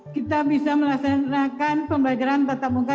kita bisa melaksanakan pembelajaran tatap muka